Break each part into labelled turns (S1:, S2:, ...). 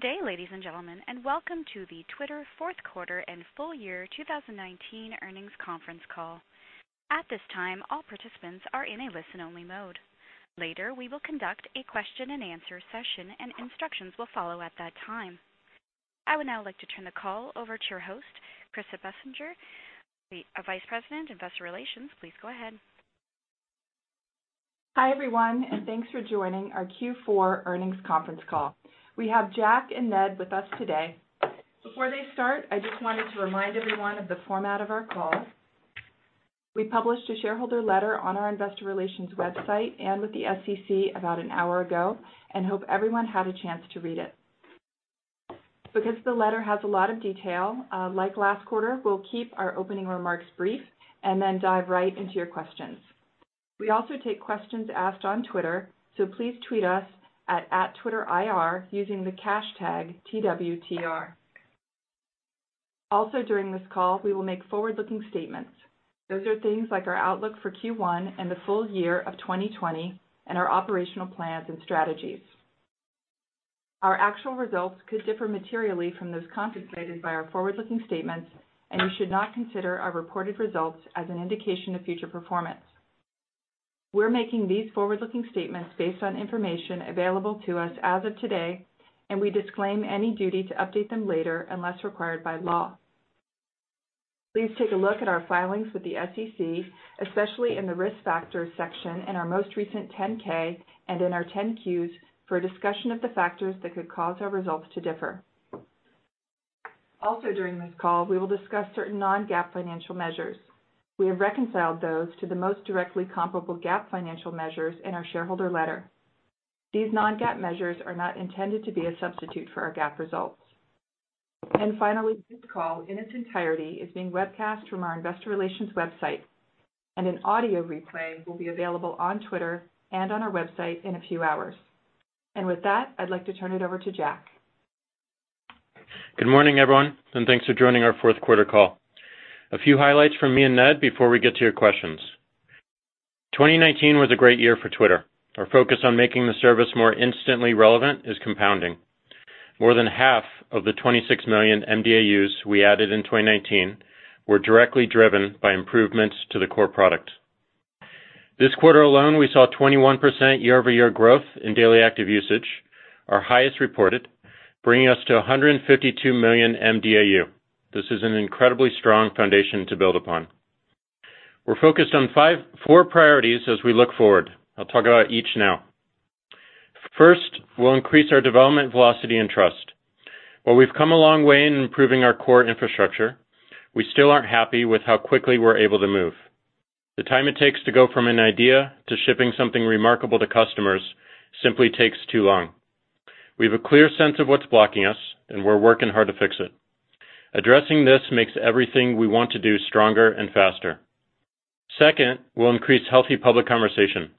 S1: Good day, ladies and gentlemen. Welcome to the Twitter fourth quarter and full-year 2019 earnings conference call. At this time, all participants are in a listen-only mode. Later, we will conduct a question and answer session and instructions will follow at that time. I would now like to turn the call over to your host, Krista Bessinger, the Vice President Investor Relations. Please go ahead.
S2: Hi, everyone, and thanks for joining our Q4 earnings conference call. We have Jack and Ned with us today. Before they start, I just wanted to remind everyone of the format of our call. We published a shareholder letter on our Investor Relations website and with the SEC about an hour ago and hope everyone had a chance to read it. Because the letter has a lot of detail, like last quarter, we'll keep our opening remarks brief and then dive right into your questions. We also take questions asked on Twitter, so please tweet us at, @twitterIR using the hashtag #TWTR. Also, during this call, we will make forward-looking statements. Those are things like our outlook for Q1 and the full-year of 2020 and our operational plans and strategies. Our actual results could differ materially from those contemplated by our forward-looking statements, and you should not consider our reported results as an indication of future performance. We're making these forward-looking statements based on information available to us as of today, and we disclaim any duty to update them later unless required by law. Please take a look at our filings with the SEC, especially in the risk factors section in our most recent 10-K and in our 10-Qs for a discussion of the factors that could cause our results to differ. Also, during this call, we will discuss certain non-GAAP financial measures. We have reconciled those to the most directly comparable GAAP financial measures in our shareholder letter. These non-GAAP measures are not intended to be a substitute for our GAAP results. Finally, this call in its entirety is being webcast from our investor relations website, and an audio replay will be available on Twitter and on our website in a few hours. With that, I'd like to turn it over to Jack.
S3: Good morning, everyone, and thanks for joining our fourth quarter call. A few highlights from me and Ned before we get to your questions. 2019 was a great year for Twitter. Our focus on making the service more instantly relevant is compounding. More than half of the 26 million mDAUs we added in 2019 were directly driven by improvements to the core product. This quarter alone, we saw 21% year-over-year growth in daily active usage, our highest reported, bringing us to 152 million mDAU. This is an incredibly strong foundation to build upon. We're focused on four priorities as we look forward. I'll talk about each now. First, we'll increase our development velocity and trust. While we've come a long way in improving our core infrastructure, we still aren't happy with how quickly we're able to move. The time it takes to go from an idea to shipping something remarkable to customers simply takes too long. We have a clear sense of what's blocking us, and we're working hard to fix it. Addressing this makes everything we want to do stronger and faster. Second, we'll increase healthy public conversation.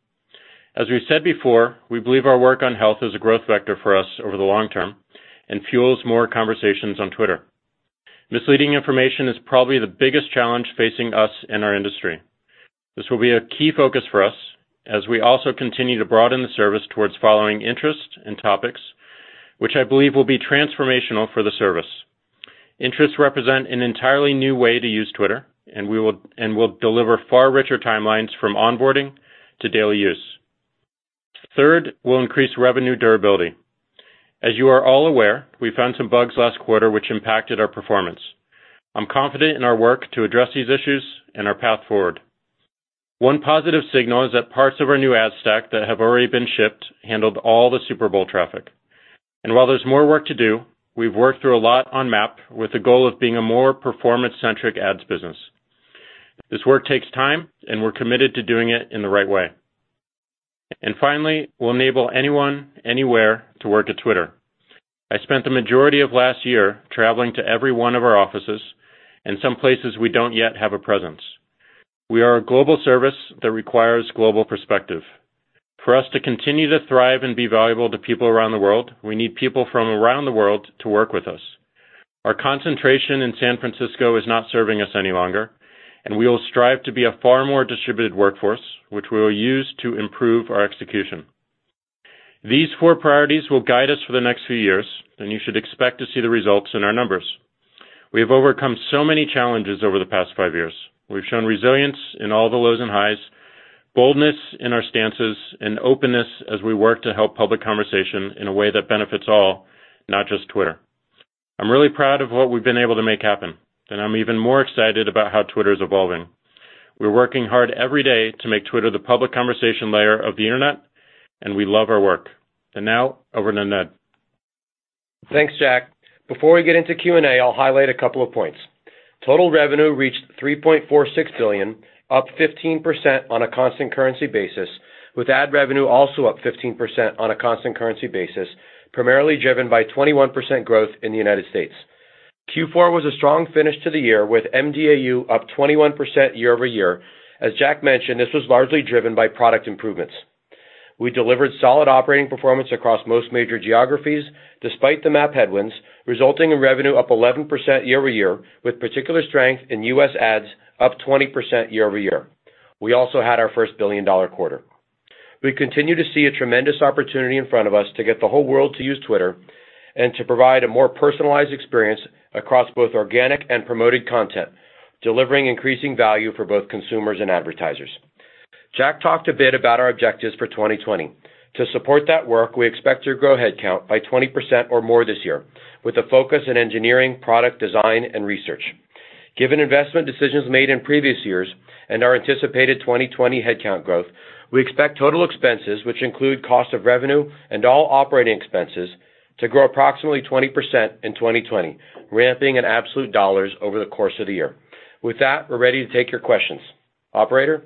S3: As we've said before, we believe our work on health is a growth vector for us over the long term and fuels more conversations on Twitter. Misleading information is probably the biggest challenge facing us in our industry. This will be a key focus for us as we also continue to broaden the service towards following interests and Topics, which I believe will be transformational for the service. Interests represent an entirely new way to use Twitter and will deliver far richer timelines from onboarding to daily use. Third, we'll increase revenue durability. As you are all aware, we found some bugs last quarter which impacted our performance. I'm confident in our work to address these issues and our path forward. One positive signal is that parts of our new ad stack that have already been shipped handled all the Super Bowl traffic. While there's more work to do, we've worked through a lot on MAP with the goal of being a more performance-centric ads business. This work takes time, we're committed to doing it in the right way. Finally, we'll enable anyone, anywhere, to work at Twitter. I spent the majority of last year traveling to every one of our offices and some places we don't yet have a presence. We are a global service that requires global perspective. For us to continue to thrive and be valuable to people around the world, we need people from around the world to work with us. Our concentration in San Francisco is not serving us any longer, and we will strive to be a far more distributed workforce, which we will use to improve our execution. These four priorities will guide us for the next few years, and you should expect to see the results in our numbers. We have overcome so many challenges over the past five years. We've shown resilience in all the lows and highs, boldness in our stances, and openness as we work to help public conversation in a way that benefits all, not just Twitter. I'm really proud of what we've been able to make happen, and I'm even more excited about how Twitter's evolving. We're working hard every day to make Twitter the public conversation layer of the internet, and we love our work. Now, over to Ned.
S4: Thanks, Jack. Before we get into Q&A, I'll highlight a couple of points. Total revenue reached $3.46 billion, up 15% on a constant currency basis, with ad revenue also up 15% on a constant currency basis, primarily driven by 21% growth in the United States. Q4 was a strong finish to the year, with mDAU up 21% year-over-year. As Jack mentioned, this was largely driven by product improvements. We delivered solid operating performance across most major geographies, despite the MAP headwinds, resulting in revenue up 11% year-over-year, with particular strength in U.S. ads up 20% year-over-year. We also had our first billion-dollar quarter. We continue to see a tremendous opportunity in front of us to get the whole world to use Twitter and to provide a more personalized experience across both organic and promoted content, delivering increasing value for both consumers and advertisers. Jack talked a bit about our objectives for 2020. To support that work, we expect to grow headcount by 20% or more this year, with a focus on engineering, product design, and research. Given investment decisions made in previous years and our anticipated 2020 headcount growth, we expect total expenses, which include cost of revenue and all operating expenses, to grow approximately 20% in 2020, ramping in absolute dollars over the course of the year. With that, we're ready to take your questions. Operator?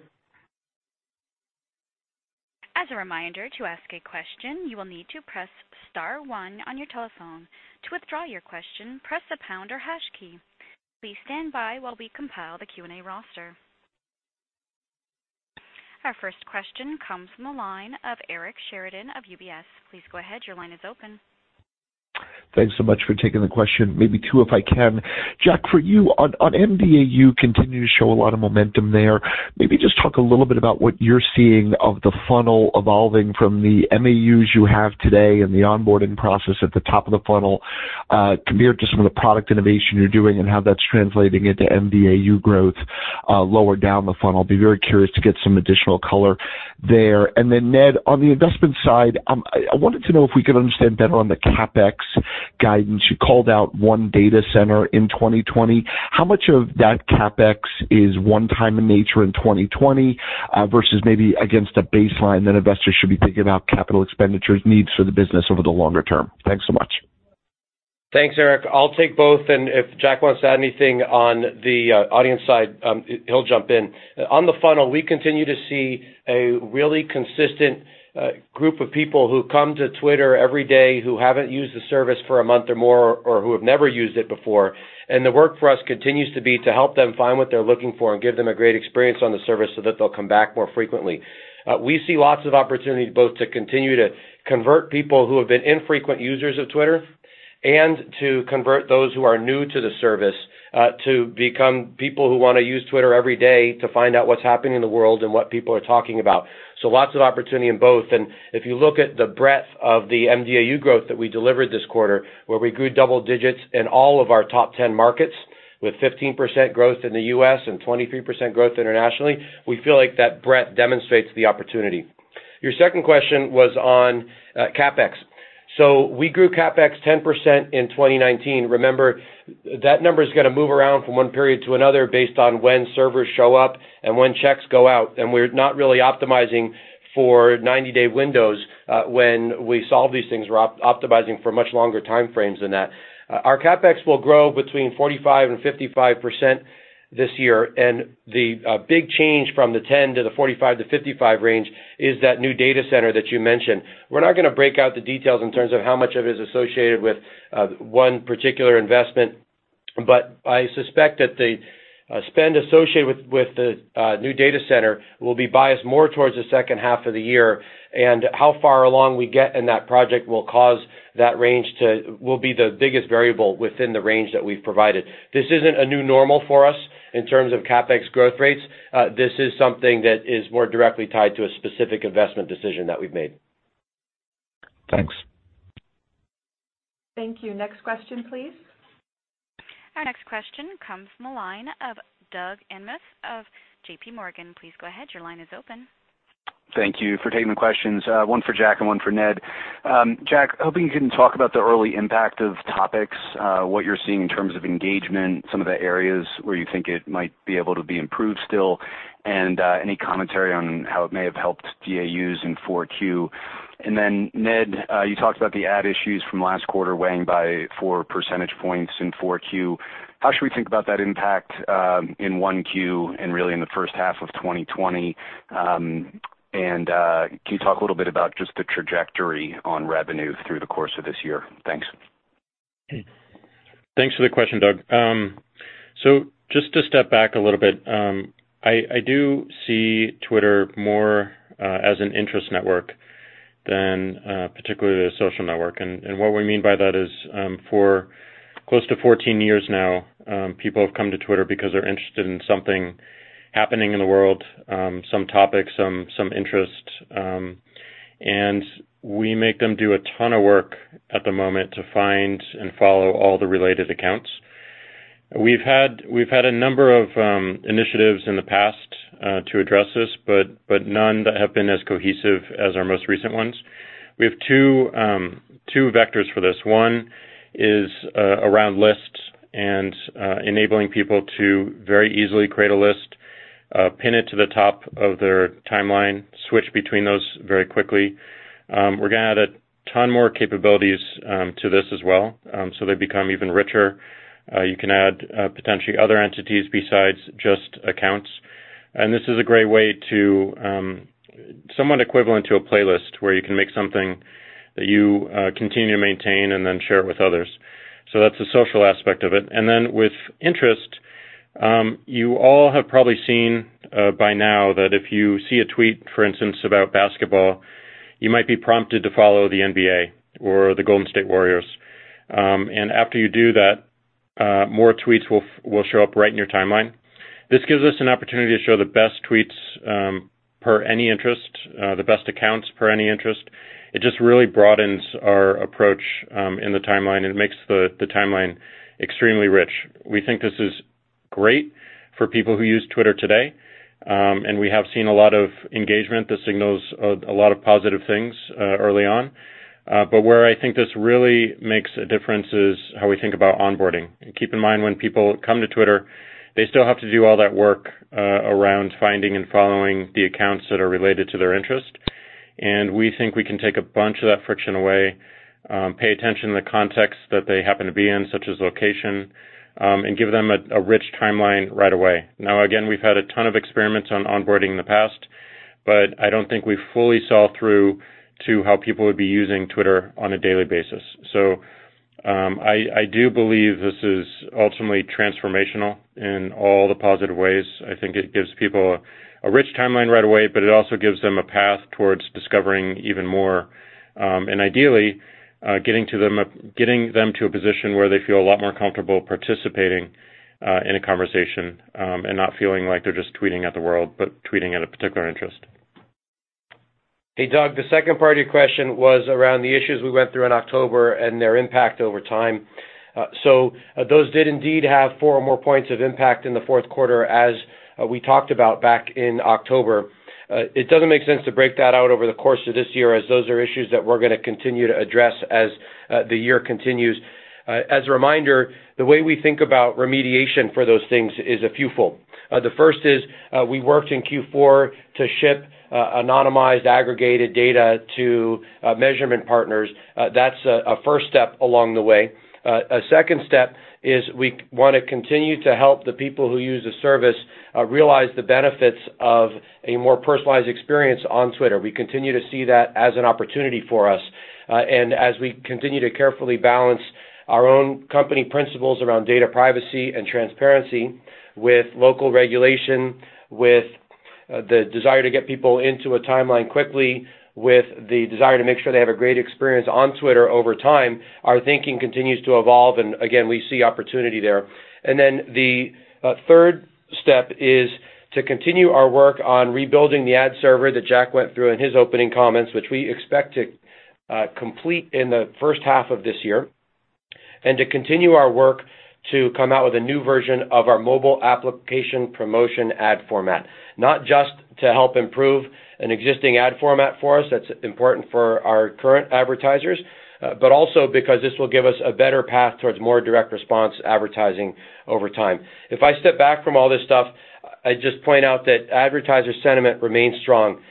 S1: As a reminder, to ask a question, you will need to press star one on your telephone. To withdraw your question, press the pound or hash key. Please stand by while we compile the Q&A roster. Our first question comes from the line of Eric Sheridan of UBS. Please go ahead. Your line is open.
S5: Thanks so much for taking the question. Maybe two, if I can. Jack, for you, on mDAU, you continue to show a lot of momentum there. Maybe just talk a little bit about what you're seeing of the funnel evolving from the MAUs you have today and the onboarding process at the top of the funnel, compared to some of the product innovation you're doing and how that's translating into mDAU growth lower down the funnel. I'd be very curious to get some additional color there. Ned, on the investment side, I wanted to know if we could understand better on the CapEx guidance. You called out one data center in 2020. How much of that CapEx is one time in nature in 2020 versus maybe against a baseline that investors should be thinking about capital expenditures needs for the business over the longer term? Thanks so much.
S4: Thanks, Eric. I'll take both, and if Jack wants to add anything on the audience side, he'll jump in. On the funnel, we continue to see a really consistent group of people who come to Twitter every day who haven't used the service for a month or more or who have never used it before. The work for us continues to be to help them find what they're looking for and give them a great experience on the service so that they'll come back more frequently. We see lots of opportunities both to continue to convert people who have been infrequent users of Twitter and to convert those who are new to the service to become people who want to use Twitter every day to find out what's happening in the world and what people are talking about. Lots of opportunity in both. If you look at the breadth of the mDAU growth that we delivered this quarter, where we grew double digits in all of our top 10 markets with 15% growth in the U.S. and 23% growth internationally, we feel like that breadth demonstrates the opportunity. Your second question was on CapEx. We grew CapEx 10% in 2019. Remember, that number's going to move around from one period to another based on when servers show up and when checks go out, and we're not really optimizing for 90-day windows when we solve these things. We're optimizing for much longer time frames than that. Our CapEx will grow between 45% and 55% this year. The big change from the 10 to the 45%-55% range is that new data center that you mentioned. We're not going to break out the details in terms of how much of it is associated with one particular investment, but I suspect that the spend associated with the new data center will be biased more towards the second half of the year. How far along we get in that project will be the biggest variable within the range that we've provided. This isn't a new normal for us in terms of CapEx growth rates. This is something that is more directly tied to a specific investment decision that we've made.
S5: Thanks.
S2: Thank you. Next question, please.
S1: Our next question comes from the line of Doug Anmuth of JPMorgan. Please go ahead. Your line is open.
S6: Thank you for taking the questions. One for Jack and one for Ned. Jack, hoping you can talk about the early impact of Topics, what you're seeing in terms of engagement, some of the areas where you think it might be able to be improved still, and any commentary on how it may have helped DAUs in 4Q. Then Ned, you talked about the ad issues from last quarter weighing by four percentage points in 4Q. How should we think about that impact in 1Q and really in the first half of 2020? Can you talk a little bit about just the trajectory on revenue through the course of this year? Thanks.
S3: Thanks for the question, Doug. Just to step back a little bit, I do see Twitter more as an interest network than particularly a social network. What we mean by that is, for close to 14 years now, people have come to Twitter because they're interested in something happening in the world, some topic, some interest. We make them do a ton of work at the moment to find and follow all the related accounts. We've had a number of initiatives in the past to address this, but none that have been as cohesive as our most recent ones. We have two vectors for this. One is around lists and enabling people to very easily create a list, pin it to the top of their timeline, switch between those very quickly. We're going to add a ton more capabilities to this as well, so they become even richer. You can add potentially other entities besides just accounts. This is a great way somewhat equivalent to a playlist where you can make something that you continue to maintain and then share it with others. That's the social aspect of it. Then with interest, you all have probably seen by now that if you see a tweet, for instance, about basketball, you might be prompted to follow the NBA or the Golden State Warriors. After you do that, more tweets will show up right in your timeline. This gives us an opportunity to show the best tweets per any interest, the best accounts per any interest. It just really broadens our approach in the timeline and makes the timeline extremely rich. We think this is great for people who use Twitter today. We have seen a lot of engagement that signals a lot of positive things early on. Where I think this really makes a difference is how we think about onboarding. Keep in mind, when people come to Twitter, they still have to do all that work around finding and following the accounts that are related to their interest. We think we can take a bunch of that friction away, pay attention to the context that they happen to be in, such as location, and give them a rich timeline right away. Now, again, we've had a ton of experiments on onboarding in the past. I don't think we've fully saw through to how people would be using Twitter on a daily basis. I do believe this is ultimately transformational in all the positive ways. I think it gives people a rich timeline right away, but it also gives them a path towards discovering even more. Ideally, getting them to a position where they feel a lot more comfortable participating in a conversation, and not feeling like they're just tweeting at the world, but tweeting at a particular interest.
S4: Hey, Doug, the second part of your question was around the issues we went through in October and their impact over time. Those did indeed have four or more points of impact in the fourth quarter, as we talked about back in October. It doesn't make sense to break that out over the course of this year, as those are issues that we're going to continue to address as the year continues. As a reminder, the way we think about remediation for those things is a few fold. The first is we worked in Q4 to ship anonymized, aggregated data to measurement partners. That's a first step along the way. A second step is we want to continue to help the people who use the service realize the benefits of a more personalized experience on Twitter. We continue to see that as an opportunity for us. As we continue to carefully balance our own company principles around data privacy and transparency with local regulation, with the desire to get people into a timeline quickly, with the desire to make sure they have a great experience on Twitter over time, our thinking continues to evolve, again, we see opportunity there. The third step is to continue our work on rebuilding the ad server that Jack went through in his opening comments, which we expect to complete in the first half of this year. To continue our work to come out with a new version of our Mobile Application Promotion ad format. Not just to help improve an existing ad format for us that's important for our current advertisers, but also because this will give us a better path towards more Direct Response advertising over time. If I step back from all this stuff, I'd just point out that advertiser sentiment remains strong.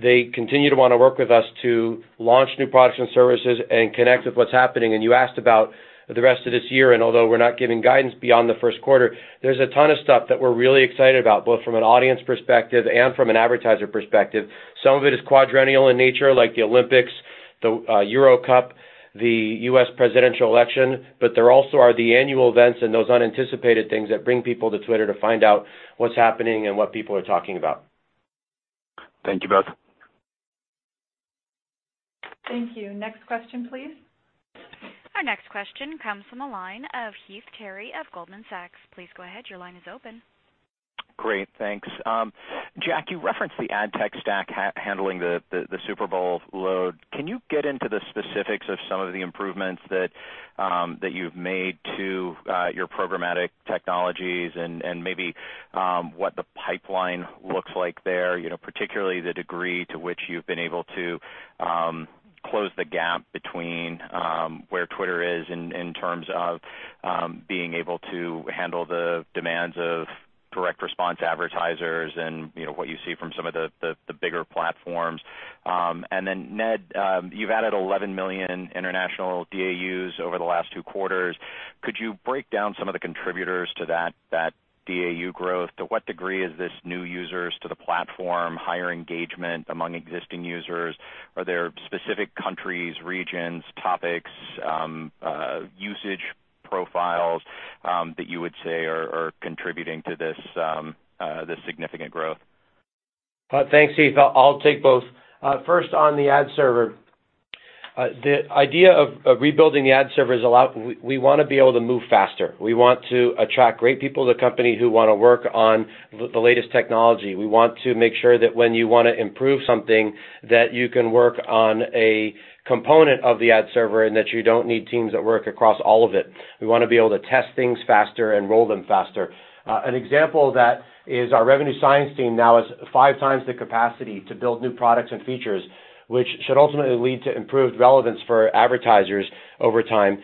S4: They continue to want to work with us to launch new products and services and connect with what's happening. You asked about the rest of this year, although we're not giving guidance beyond the first quarter, there's a ton of stuff that we're really excited about, both from an audience perspective and from an advertiser perspective. Some of it is quadrennial in nature, like the Olympics, the Euro Cup, the U.S. Presidential Election. There also are the annual events and those unanticipated things that bring people to Twitter to find out what's happening and what people are talking about.
S6: Thank you, both.
S2: Thank you. Next question, please.
S1: Our next question comes from the line of Heath Terry of Goldman Sachs. Please go ahead. Your line is open.
S7: Great. Thanks. Jack, you referenced the ad tech stack handling the Super Bowl load. Can you get into the specifics of some of the improvements that you've made to your programmatic technologies and maybe what the pipeline looks like there, particularly the degree to which you've been able to close the gap between where Twitter is in terms of being able to handle the demands of direct response advertisers and what you see from some of the bigger platforms. Ned, you've added 11 million international DAUs over the last two quarters. Could you break down some of the contributors to that DAU growth? To what degree is this new users to the platform, higher engagement among existing users? Are there specific countries, regions, Topics, usage profiles that you would say are contributing to this significant growth?
S4: Thanks, Heath. I'll take both. First on the ad server. The idea of rebuilding the ad server is a lot. We want to be able to move faster. We want to attract great people to the company who want to work on the latest technology. We want to make sure that when you want to improve something, that you can work on a component of the ad server and that you don't need teams that work across all of it. We want to be able to test things faster and roll them faster. An example of that is our revenue science team now has five times the capacity to build new products and features, which should ultimately lead to improved relevance for advertisers over time.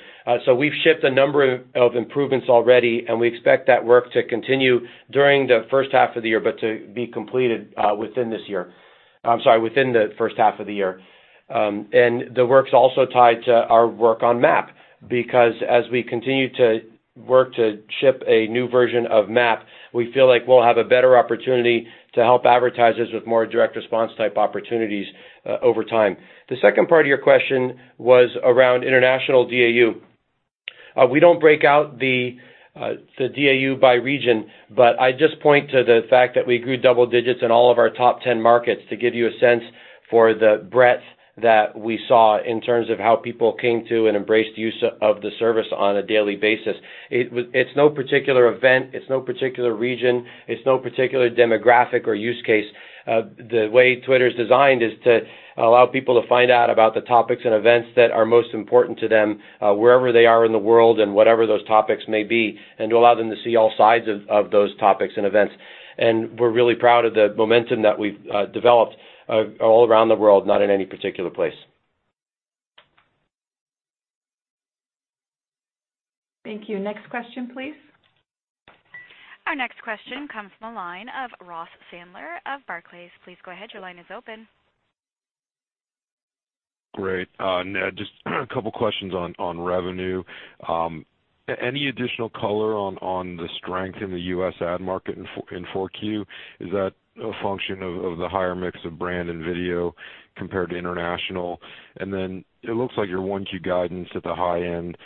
S4: We've shipped a number of improvements already, and we expect that work to continue during the first half of the year, but to be completed within the first half of the year. The work's also tied to our work on MAP, because as we continue to work to ship a new version of MAP, we feel like we'll have a better opportunity to help advertisers with more direct response type opportunities over time. The second part of your question was around international DAU. We don't break out the DAU by region, but I just point to the fact that we grew double digits in all of our top 10 markets, to give you a sense for the breadth that we saw in terms of how people came to and embraced use of the service on a daily basis. It's no particular event, it's no particular region, it's no particular demographic or use case. The way Twitter's designed is to allow people to find out about the topics and events that are most important to them, wherever they are in the world and whatever those topics may be, and to allow them to see all sides of those topics and events. We're really proud of the momentum that we've developed all around the world, not in any particular place.
S2: Thank you. Next question, please.
S1: Our next question comes from the line of Ross Sandler of Barclays. Please go ahead. Your line is open.
S8: Great. Ned, just a couple of questions on revenue. Any additional color on the strength in the U.S. ad market in 4Q? Is that a function of the higher mix of brand and video compared to international? It looks like your 1Q guidance at the high end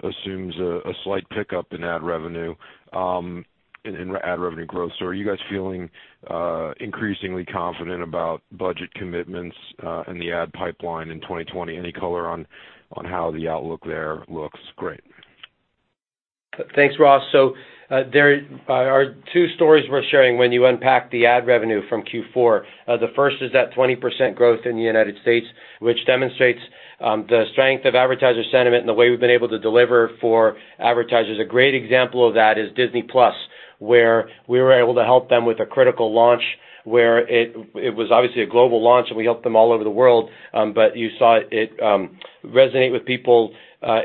S8: assumes a slight pickup in ad revenue growth. Are you guys feeling increasingly confident about budget commitments in the ad pipeline in 2020? Any color on how the outlook there looks? Great.
S4: Thanks, Ross. There are two stories worth sharing when you unpack the ad revenue from Q4. The first is that 20% growth in the United States, which demonstrates the strength of advertiser sentiment and the way we've been able to deliver for advertisers. A great example of that is Disney+, where we were able to help them with a critical launch where it was obviously a global launch, and we helped them all over the world. You saw it resonate with people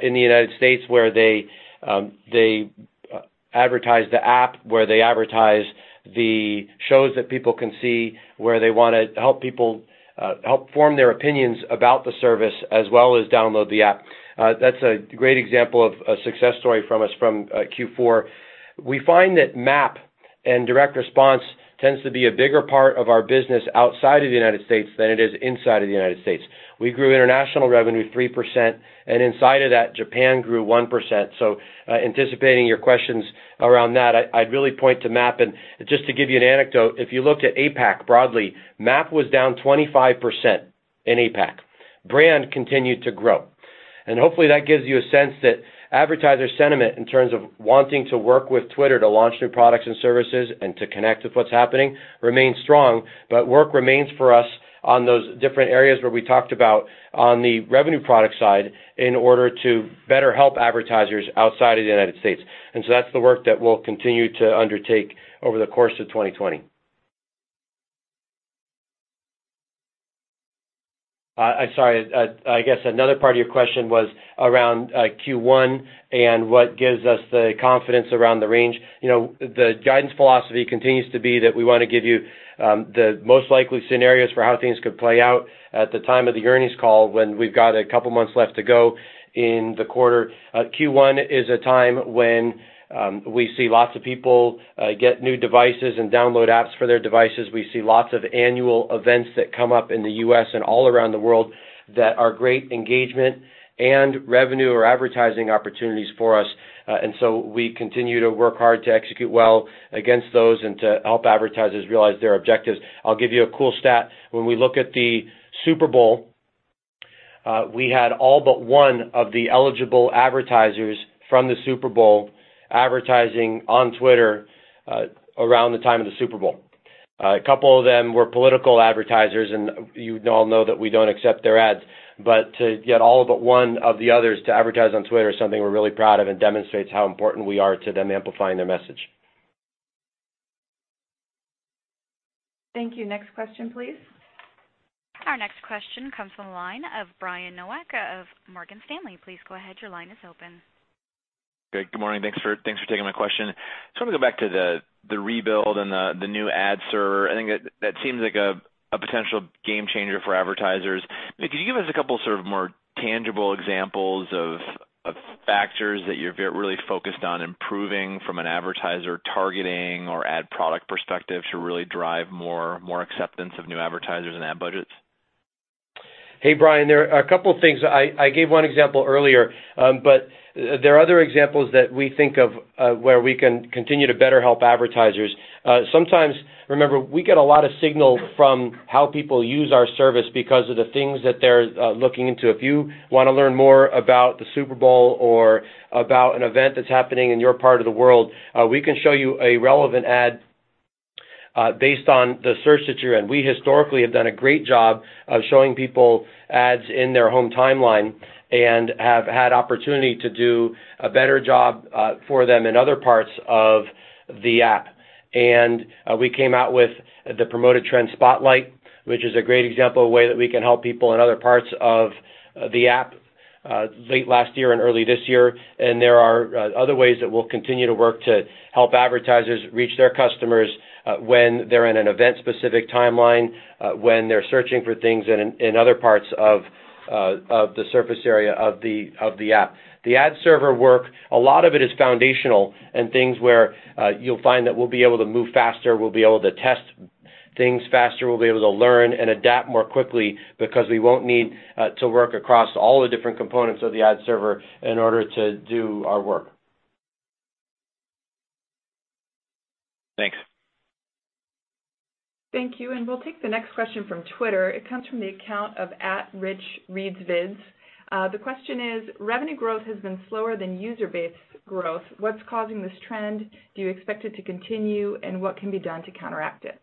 S4: in the United States, where they advertise the app, where they advertise the shows that people can see, where they want to help form their opinions about the service as well as download the app. That's a great example of a success story from us from Q4. We find that MAP and direct response tends to be a bigger part of our business outside of the United States than it is inside of the United States. We grew international revenue 3%, and inside of that, Japan grew 1%. Anticipating your questions around that, I'd really point to MAP. Just to give you an anecdote, if you looked at APAC broadly, MAP was down 25% in APAC. brand continued to grow. Hopefully, that gives you a sense that advertiser sentiment in terms of wanting to work with Twitter to launch new products and services and to connect with what's happening remains strong. Work remains for us on those different areas where we talked about on the revenue product side in order to better help advertisers outside of the United States. That's the work that we'll continue to undertake over the course of 2020. I'm sorry. I guess another part of your question was around Q1 and what gives us the confidence around the range. The guidance philosophy continues to be that we want to give you the most likely scenarios for how things could play out at the time of the earnings call when we've got a couple of months left to go in the quarter. Q1 is a time when we see lots of people get new devices and download apps for their devices. We see lots of annual events that come up in the U.S. and all around the world that are great engagement and revenue or advertising opportunities for us. We continue to work hard to execute well against those and to help advertisers realize their objectives. I'll give you a cool stat. When we look at the Super Bowl, we had all but one of the eligible advertisers from the Super Bowl advertising on Twitter around the time of the Super Bowl. A couple of them were political advertisers, and you all know that we don't accept their ads. To get all but one of the others to advertise on Twitter is something we're really proud of and demonstrates how important we are to them amplifying their message.
S2: Thank you. Next question, please.
S1: Our next question comes from the line of Brian Nowak of Morgan Stanley. Please go ahead. Your line is open.
S9: Great. Good morning. Thanks for taking my question. Just want to go back to the rebuild and the new ad server. I think that seems like a potential game changer for advertisers. Could you give us a couple more tangible examples of factors that you're really focused on improving from an advertiser targeting or ad product perspective to really drive more acceptance of new advertisers and ad budgets?
S4: Hey, Brian. There are a couple of things. I gave one example earlier, there are other examples that we think of where we can continue to better help advertisers. Sometimes, remember, we get a lot of signal from how people use our service because of the things that they're looking into. If you want to learn more about the Super Bowl or about an event that's happening in your part of the world, we can show you a relevant ad based on the search that you're in. We historically have done a great job of showing people ads in their home timeline and have had opportunity to do a better job for them in other parts of the app. We came out with the Promoted Trend Spotlight, which is a great example of a way that we can help people in other parts of the app late last year and early this year. There are other ways that we'll continue to work to help advertisers reach their customers when they're in an event-specific timeline, when they're searching for things in other parts of the surface area of the app. The ad server work, a lot of it is foundational and things where you'll find that we'll be able to move faster, we'll be able to test things faster. We'll be able to learn and adapt more quickly because we won't need to work across all the different components of the ad server in order to do our work.
S9: Thanks.
S2: Thank you, and we'll take the next question from Twitter. It comes from the account of @RichReadsVids. The question is: Revenue growth has been slower than user base growth. What's causing this trend? Do you expect it to continue, and what can be done to counteract it?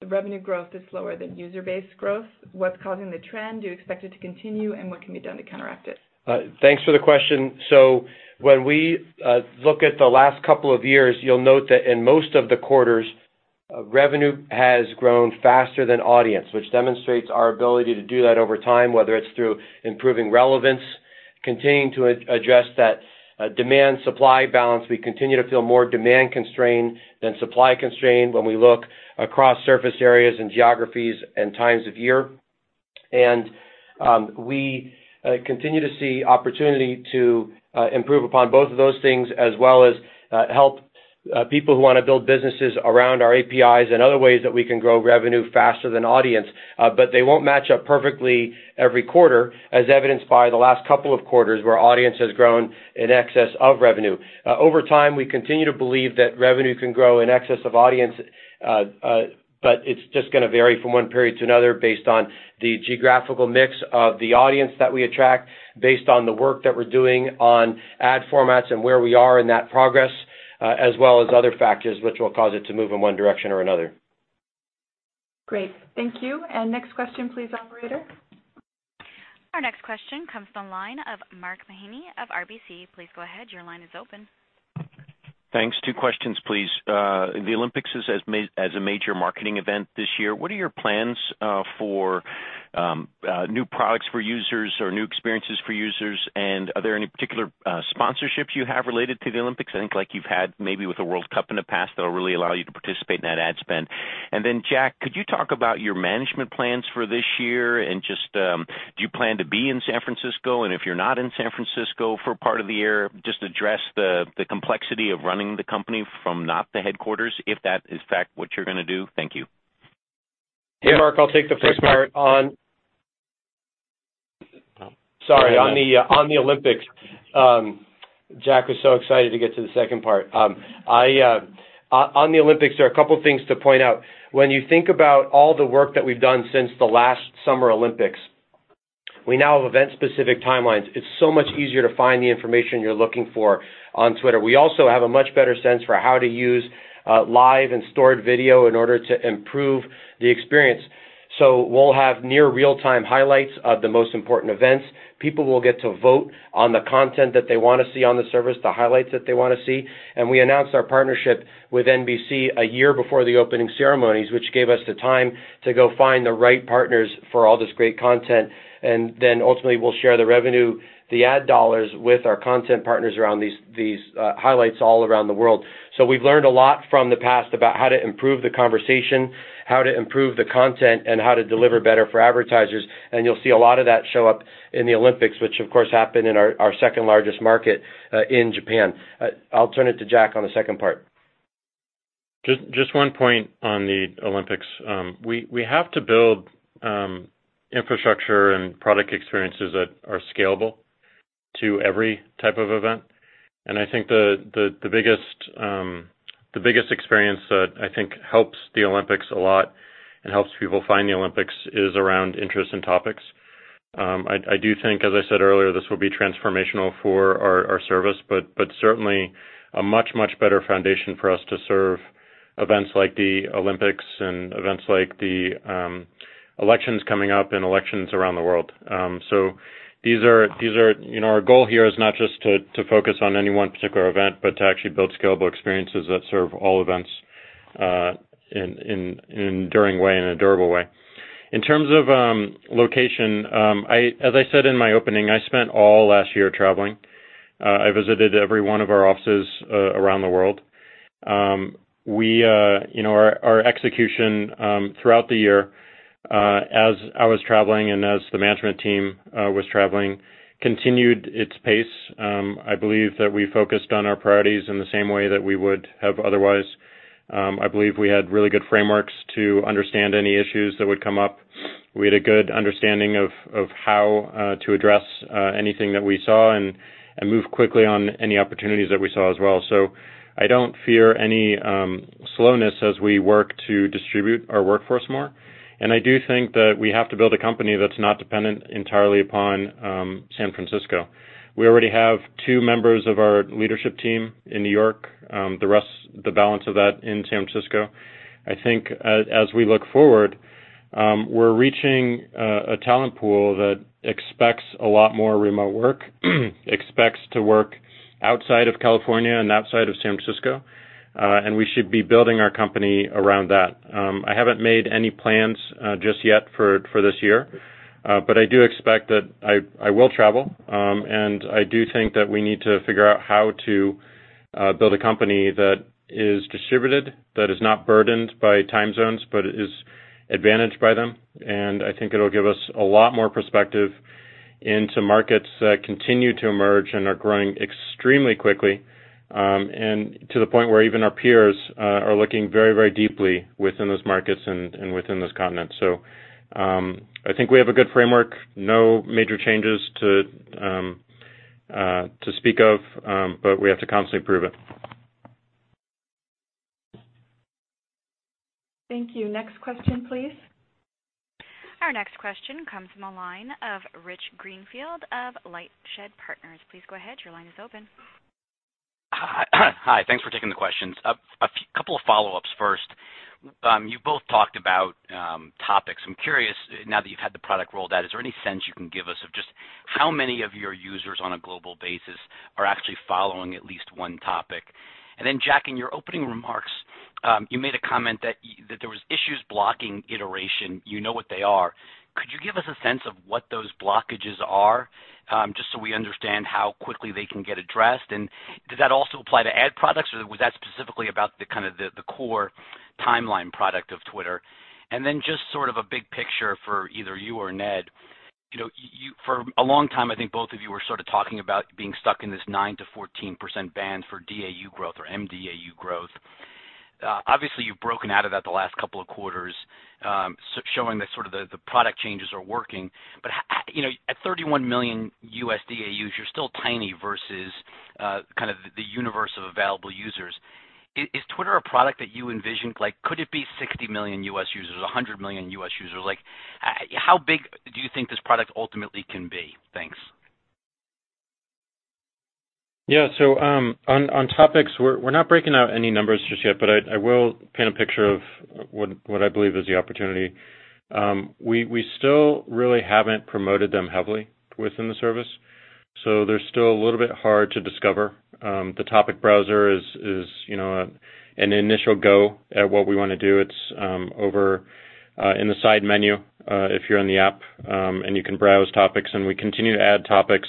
S2: The revenue growth is slower than user base growth. What's causing the trend? Do you expect it to continue, and what can be done to counteract it?
S4: Thanks for the question. When we look at the last couple of years, you'll note that in most of the quarters, revenue has grown faster than audience, which demonstrates our ability to do that over time, whether it's through improving relevance, continuing to address that demand-supply balance. We continue to feel more demand-constrained than supply-constrained when we look across surface areas and geographies and times of year. We continue to see opportunity to improve upon both of those things, as well as help people who want to build businesses around our APIs and other ways that we can grow revenue faster than audience. They won't match up perfectly every quarter, as evidenced by the last couple of quarters, where audience has grown in excess of revenue. Over time, we continue to believe that revenue can grow in excess of audience, but it's just going to vary from one period to another based on the geographical mix of the audience that we attract, based on the work that we're doing on ad formats and where we are in that progress, as well as other factors which will cause it to move in one direction or another.
S2: Great. Thank you. Next question please, operator.
S1: Our next question comes from the line of Mark Mahaney of RBC. Please go ahead. Your line is open.
S10: Thanks. Two questions, please. The Olympics is as a major marketing event this year. What are your plans for new products for users or new experiences for users? Are there any particular sponsorships you have related to the Olympics, I think like you've had maybe with the World Cup in the past, that'll really allow you to participate in that ad spend? Jack, could you talk about your management plans for this year and just, do you plan to be in San Francisco? If you're not in San Francisco for part of the year, just address the complexity of running the company from not the headquarters, if that is in fact what you're going to do. Thank you.
S4: Hey, Mark, I'll take the first part on the Olympics. Jack was so excited to get to the second part. The Olympics, there are a couple of things to point out. When you think about all the work that we've done since the last Summer Olympics, we now have event-specific timelines. It's so much easier to find the information you're looking for on Twitter. We also have a much better sense for how to use live and stored video in order to improve the experience. We'll have near real-time highlights of the most important events. People will get to vote on the content that they want to see on the service, the highlights that they want to see. We announced our partnership with NBC a year before the opening ceremonies, which gave us the time to go find the right partners for all this great content. Ultimately, we'll share the revenue, the ad dollars with our content partners around these highlights all around the world. We've learned a lot from the past about how to improve the conversation, how to improve the content, and how to deliver better for advertisers. You'll see a lot of that show up in the Olympics, which of course happen in our second-largest market, in Japan. I'll turn it to Jack on the second part.
S3: Just one point on the Olympics. We have to build infrastructure and product experiences that are scalable to every type of event. I think the biggest experience that I think helps the Olympics a lot and helps people find the Olympics is around interest and Topics. I do think, as I said earlier, this will be transformational for our service, but certainly a much, much better foundation for us to serve events like the Olympics and events like the elections coming up and elections around the world. Our goal here is not just to focus on any one particular event, but to actually build scalable experiences that serve all events in an enduring way, in a durable way. In terms of location, as I said in my opening, I spent all last year traveling. I visited every one of our offices around the world. Our execution throughout the year, as I was traveling and as the management team was traveling, continued its pace. I believe that we focused on our priorities in the same way that we would have otherwise. I believe we had really good frameworks to understand any issues that would come up. We had a good understanding of how to address anything that we saw and move quickly on any opportunities that we saw as well. I don't fear any slowness as we work to distribute our workforce more. I do think that we have to build a company that's not dependent entirely upon San Francisco. We already have two members of our leadership team in New York. The balance of that in San Francisco. I think as we look forward, we're reaching a talent pool that expects a lot more remote work, expects to work outside of California and outside of San Francisco, and we should be building our company around that. I haven't made any plans just yet for this year. I do expect that I will travel, and I do think that we need to figure out how to build a company that is distributed, that is not burdened by time zones, but is advantaged by them, and I think it'll give us a lot more perspective into markets that continue to emerge and are growing extremely quickly, and to the point where even our peers are looking very deeply within those markets and within those continents. I think we have a good framework. No major changes to speak of. We have to constantly prove it.
S2: Thank you. Next question, please.
S1: Our next question comes from the line of Rich Greenfield of LightShed Partners. Please go ahead. Your line is open.
S11: Hi. Thanks for taking the questions. A couple of follow-ups first. You both talked about Topics. I'm curious, now that you've had the product rolled out, is there any sense you can give us of just how many of your users on a global basis are actually following at least one Topic? Jack, in your opening remarks, you made a comment that there was issues blocking iteration. You know what they are. Could you give us a sense of what those blockages are, just so we understand how quickly they can get addressed? Does that also apply to ad products, or was that specifically about the core timeline product of Twitter? Just sort of a big picture for either you or Ned. For a long time, I think both of you were sort of talking about being stuck in this 9%-14% band for DAU growth or mDAU growth. Obviously, you've broken out of that the last couple of quarters, showing that the product changes are working. At 31 million U.S. DAUs, you're still tiny versus the universe of available users. Is Twitter a product that you envision, could it be 60 million U.S. users, 100 million U.S. users? How big do you think this product ultimately can be? Thanks.
S3: Yeah. On Topics, we're not breaking out any numbers just yet, but I will paint a picture of what I believe is the opportunity. We still really haven't promoted them heavily within the service, they're still a little bit hard to discover. The topic browser is an initial go at what we want to do. It's over in the side menu, if you're in the app, you can browse Topics, we continue to add Topics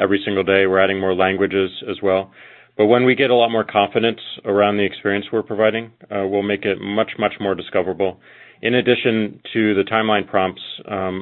S3: every single day. We're adding more languages as well. When we get a lot more confidence around the experience we're providing, we'll make it much more discoverable, in addition to the timeline prompts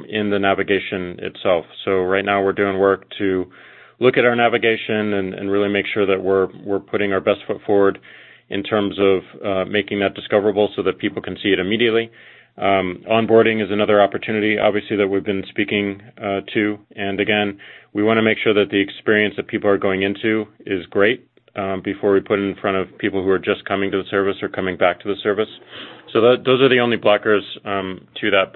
S3: in the navigation itself. Right now, we're doing work to look at our navigation and really make sure that we're putting our best foot forward in terms of making that discoverable so that people can see it immediately. Onboarding is another opportunity, obviously, that we've been speaking to. Again, we want to make sure that the experience that people are going into is great before we put it in front of people who are just coming to the service or coming back to the service. Those are the only blockers to that.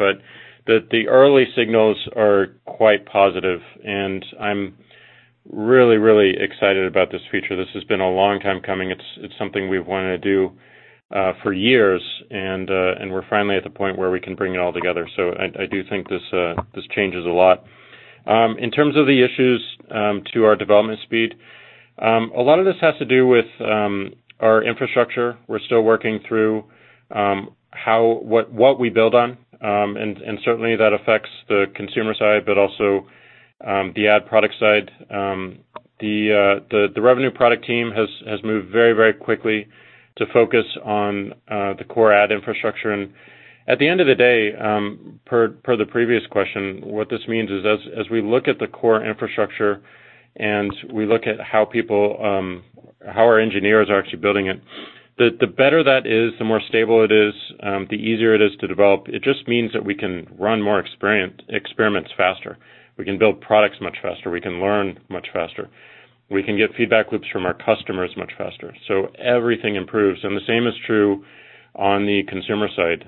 S3: The early signals are quite positive, and I'm really excited about this feature. This has been a long time coming. It's something we've wanted to do for years, and we're finally at the point where we can bring it all together. I do think this changes a lot. In terms of the issues to our development speed, a lot of this has to do with our infrastructure. We're still working through what we build on, and certainly, that affects the consumer side, but also the ad product side. The revenue product team has moved very quickly to focus on the core ad infrastructure. At the end of the day, per the previous question, what this means is as we look at the core infrastructure and we look at how our engineers are actually building it, the better that is, the more stable it is, the easier it is to develop. It just means that we can run more experiments faster. We can build products much faster. We can learn much faster. We can get feedback loops from our customers much faster. Everything improves. The same is true on the consumer side.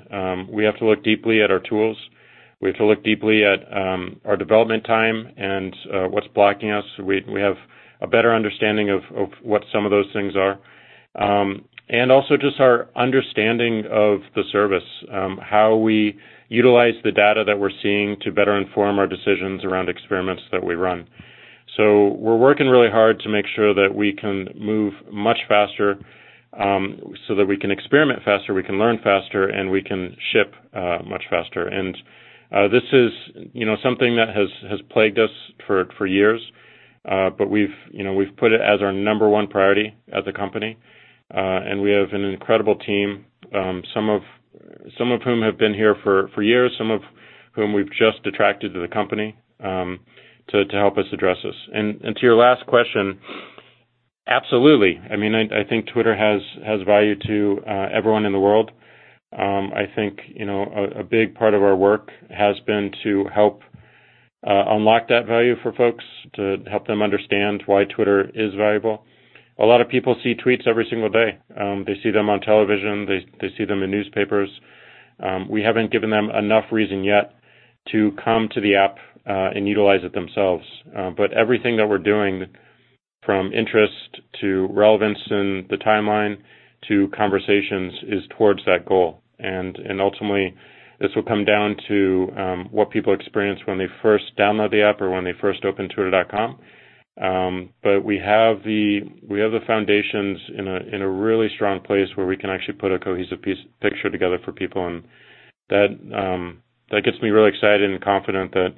S3: We have to look deeply at our tools. We have to look deeply at our development time and what's blocking us. We have a better understanding of what some of those things are. Also just our understanding of the service, how we utilize the data that we're seeing to better inform our decisions around experiments that we run. We're working really hard to make sure that we can move much faster, so that we can experiment faster, we can learn faster, and we can ship much faster. This is something that has plagued us for years. We've put it as our number one priority as a company. We have an incredible team, some of whom have been here for years, some of whom we've just attracted to the company, to help us address this. To your last question, absolutely. I think Twitter has value to everyone in the world. I think, a big part of our work has been to help unlock that value for folks, to help them understand why Twitter is valuable. A lot of people see tweets every single day. They see them on television. They see them in newspapers. We haven't given them enough reason yet to come to the app and utilize it themselves. Everything that we're doing, from interest to relevance in the timeline to conversations, is towards that goal. Ultimately, this will come down to what people experience when they first download the app or when they first open twitter.com. We have the foundations in a really strong place where we can actually put a cohesive picture together for people, and that gets me really excited and confident that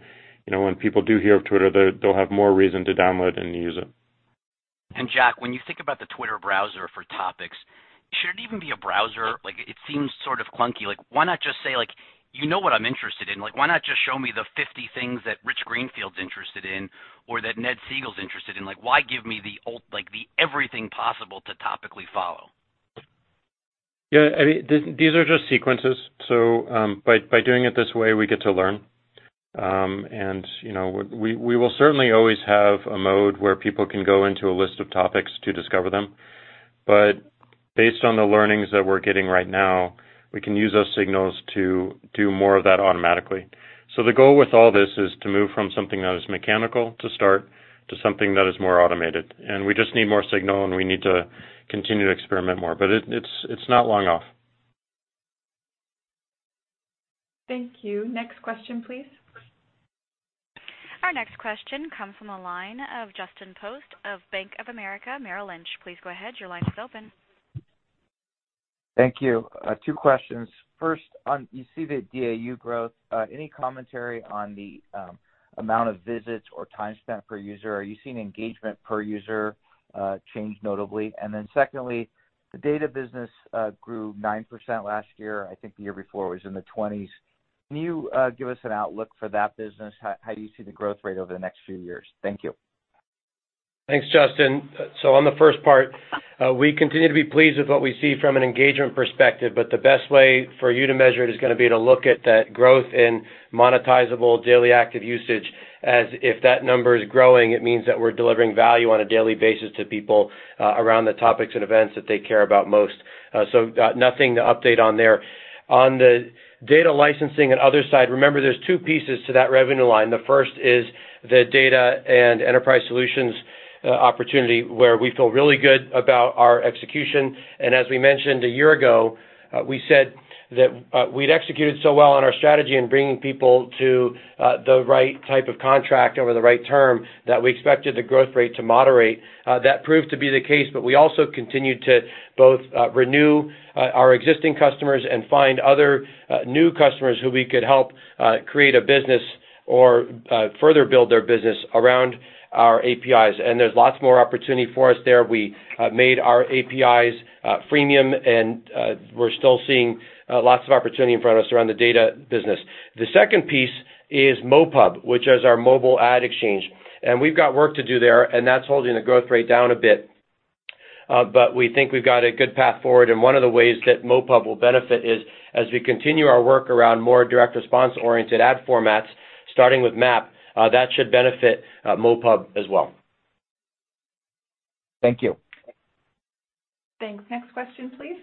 S3: when people do hear of Twitter, they'll have more reason to download and use it.
S11: Jack, when you think about the Twitter browser for Topics, should it even be a browser? It seems sort of clunky. Why not just say, "You know what I'm interested in." Why not just show me the 50 things that Rich Greenfield's interested in or that Ned Segal's interested in? Why give me the everything possible to topically follow?
S3: Yeah, these are just sequences. By doing it this way, we get to learn. We will certainly always have a mode where people can go into a list of Topics to discover them. Based on the learnings that we're getting right now, we can use those signals to do more of that automatically. We just need more signal, and we need to continue to experiment more. It's not long off.
S2: Thank you. Next question, please.
S1: Our next question comes from the line of Justin Post of Bank of America Merrill Lynch. Please go ahead. Your line is open.
S12: Thank you. Two questions. First, you see the DAU growth. Any commentary on the amount of visits or time spent per user? Are you seeing engagement per user change notably? Secondly, the data business grew 9% last year. I think the year before it was in the 20s. Can you give us an outlook for that business? How do you see the growth rate over the next few years? Thank you.
S4: Thanks, Justin. On the first part, we continue to be pleased with what we see from an engagement perspective, but the best way for you to measure it is going to be to look at that growth in monetizable daily active usage, as if that number is growing, it means that we're delivering value on a daily basis to people around the topics and events that they care about most. Nothing to update on there. On the data licensing and other side, remember, there's two pieces to that revenue line. The first is the data and enterprise solutions opportunity, where we feel really good about our execution. As we mentioned a year ago, we said that we'd executed so well on our strategy in bringing people to the right type of contract over the right term that we expected the growth rate to moderate. That proved to be the case, but we also continued to both renew our existing customers and find other new customers who we could help create a business or further build their business around our APIs. There's lots more opportunity for us there. We made our APIs freemium, and we're still seeing lots of opportunity in front of us around the data business. The second piece is MoPub, which is our mobile ad exchange. We've got work to do there, and that's holding the growth rate down a bit. We think we've got a good path forward, and one of the ways that MoPub will benefit is as we continue our work around more direct response-oriented ad formats, starting with MAP, that should benefit MoPub as well.
S12: Thank you.
S2: Thanks. Next question, please.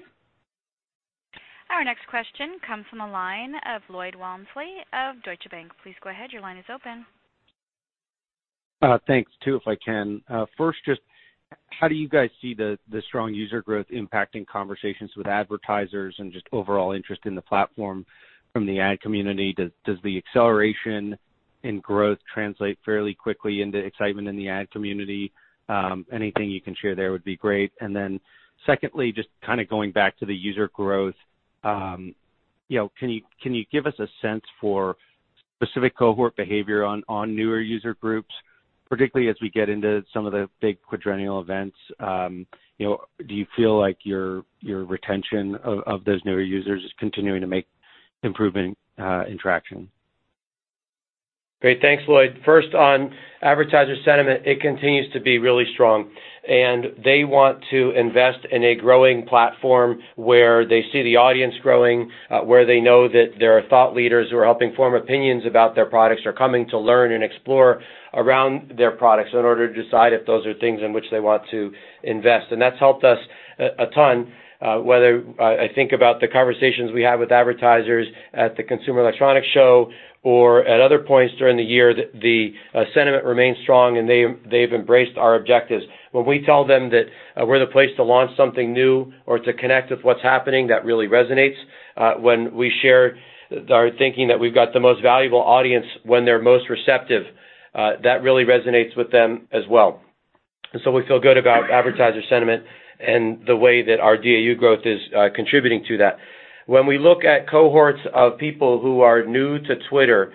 S1: Our next question comes from the line of Lloyd Walmsley of Deutsche Bank. Please go ahead. Your line is open.
S13: Thanks. Two, if I can. First, just how do you guys see the strong user growth impacting conversations with advertisers and just overall interest in the platform from the ad community? Does the acceleration in growth translate fairly quickly into excitement in the ad community? Anything you can share there would be great. Secondly, just kind of going back to the user growth. Can you give us a sense for specific cohort behavior on newer user groups, particularly as we get into some of the big quadrennial events? Do you feel like your retention of those newer users is continuing to make improvement in traction?
S4: Great. Thanks, Lloyd. First, on advertiser sentiment, it continues to be really strong, and they want to invest in a growing platform where they see the audience growing, where they know that there are thought leaders who are helping form opinions about their products or coming to learn and explore around their products in order to decide if those are things in which they want to invest. That's helped us a ton. Whether I think about the conversations we have with advertisers at the Consumer Electronics Show or at other points during the year, the sentiment remains strong, and they've embraced our objectives. When we tell them that we're the place to launch something new or to connect with what's happening, that really resonates. When we share our thinking that we've got the most valuable audience when they're most receptive, that really resonates with them as well. We feel good about advertiser sentiment and the way that our DAU growth is contributing to that. When we look at cohorts of people who are new to Twitter,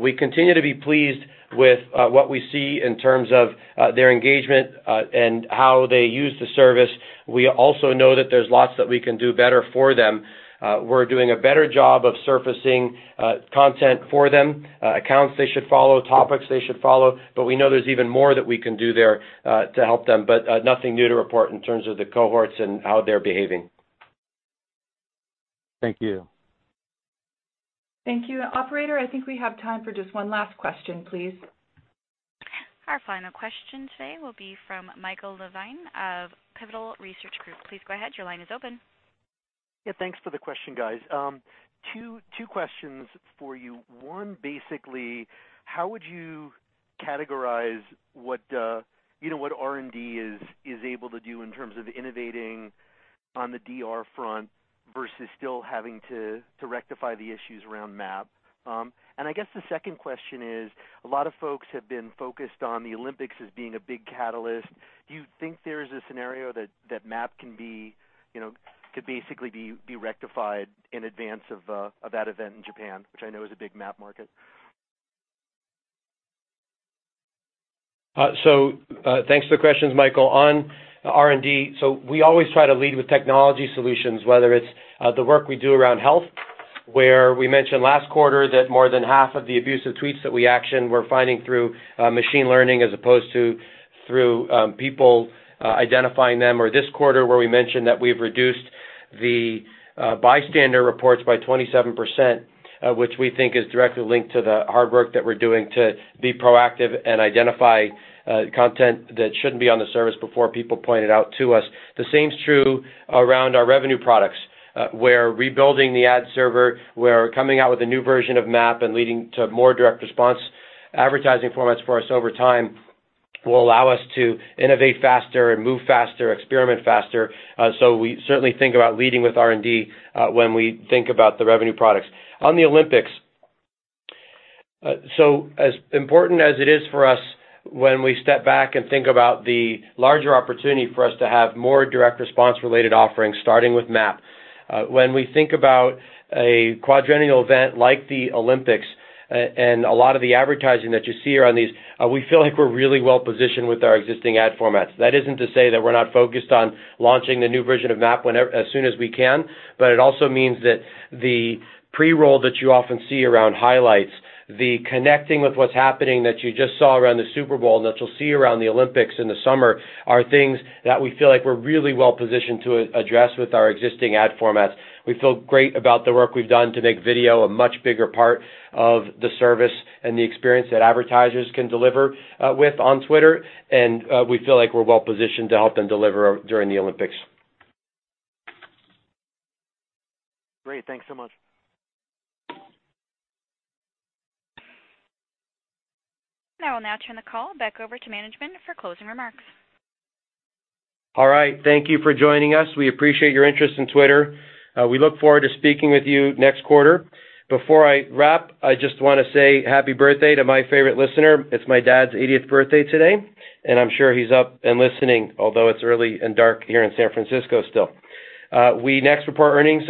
S4: we continue to be pleased with what we see in terms of their engagement and how they use the service. We also know that there's lots that we can do better for them. We're doing a better job of surfacing content for them, accounts they should follow, Topics they should follow. We know there's even more that we can do there to help them, but nothing new to report in terms of the cohorts and how they're behaving.
S13: Thank you.
S2: Thank you. Operator, I think we have time for just one last question, please.
S1: Our final question today will be from Michael Levine of Pivotal Research Group. Please go ahead. Your line is open.
S14: Yeah, thanks for the question, guys. Two questions for you. One, basically, how would you categorize what R&D is able to do in terms of innovating on the DR front versus still having to rectify the issues around MAP? I guess the second question is, a lot of folks have been focused on the Olympics as being a big catalyst. Do you think there is a scenario that MAP can basically be rectified in advance of that event in Japan, which I know is a big MAP market?
S4: Thanks for the questions, Michael. On R&D, we always try to lead with technology solutions, whether it's the work we do around health, where we mentioned last quarter that more than half of the abusive tweets that we actioned were finding through machine learning as opposed to through people identifying them, or this quarter, where we mentioned that we've reduced the bystander reports by 27%, which we think is directly linked to the hard work that we're doing to be proactive and identify content that shouldn't be on the service before people point it out to us. The same is true around our revenue products. We're rebuilding the ad server. We're coming out with a new version of MAP and leading to more direct response advertising formats for us over time will allow us to innovate faster and move faster, experiment faster. We certainly think about leading with R&D when we think about the revenue products. On the Olympics. As important as it is for us when we step back and think about the larger opportunity for us to have more direct response-related offerings, starting with MAP. When we think about a quadrennial event like the Olympics and a lot of the advertising that you see around these, we feel like we're really well-positioned with our existing ad formats. That isn't to say that we're not focused on launching the new version of MAP as soon as we can, but it also means that the pre-roll that you often see around highlights, the connecting with what's happening that you just saw around the Super Bowl and that you'll see around the Olympics in the summer, are things that we feel like we're really well-positioned to address with our existing ad formats. We feel great about the work we've done to make video a much bigger part of the service and the experience that advertisers can deliver with on Twitter, and we feel like we're well-positioned to help them deliver during the Olympics.
S14: Great. Thanks so much.
S1: I will now turn the call back over to management for closing remarks.
S4: All right. Thank you for joining us. We appreciate your interest in Twitter. We look forward to speaking with you next quarter. Before I wrap, I just want to say happy birthday to my favorite listener. It's my dad's 80th birthday today, and I'm sure he's up and listening, although it's early and dark here in San Francisco still. We next report earnings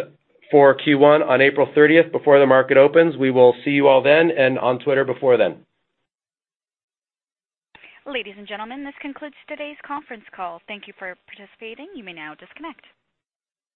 S4: for Q1 on April 30th before the market opens. We will see you all then and on Twitter before then.
S1: Ladies and gentlemen, this concludes today's conference call. Thank you for participating. You may now disconnect.